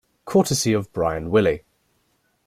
Courtesy of Bryan Willy.